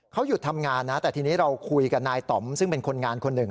เขาหยุดทำงานนะแต่ทีนี้เราคุยกับนายต่อมซึ่งเป็นคนงานคนหนึ่ง